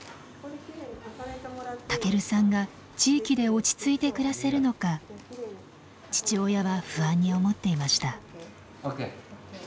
たけるさんが地域で落ち着いて暮らせるのか父親は不安に思っていました。